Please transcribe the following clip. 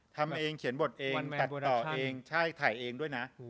ทำเองเขียนบทเองตัดต่อเองใช่ถ่ายเองด้วยนะ